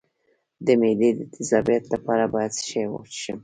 د معدې د تیزابیت لپاره باید څه شی وڅښم؟